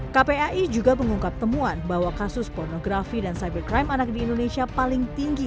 kpai juga mengungkap temuan bahwa kasus pornografi dan cybercrime anak di indonesia paling tinggi